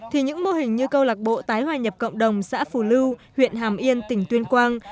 thì những mô hình như câu lạc bộ tái hòa nhập cộng đồng xã phù lưu huyện hàm yên tỉnh tuyên quang